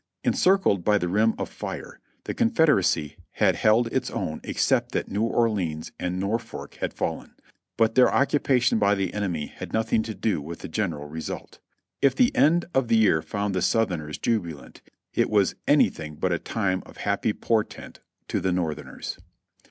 Encircled by the rim of fire, the Confederacy had held its own except that New Orleans and Norfolk had fallen, but their occupation by the enemy had nothing to do with the general result. If the end of the year found the Southerners jubilant, it was anything but a time of happy portent to the Northerners.